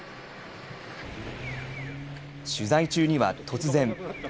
取材中には突然。